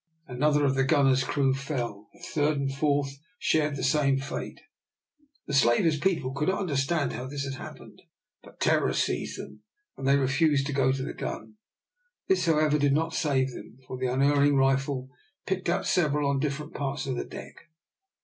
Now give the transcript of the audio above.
Another of the gunner's crew fell; a third and a fourth shared the same fate. The slaver's people could not understand how this had happened, but terror seized them, and they refused to go to the gun. This, however, did not save them, for the unerring rifle picked out several on different parts of the deck.